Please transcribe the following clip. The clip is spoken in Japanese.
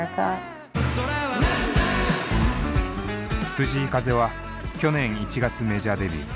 藤井風は去年１月メジャーデビュー。